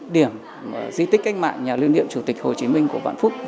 điểm di tích cách mạng nhà lưu niệm chủ tịch hồ chí minh của vạn phúc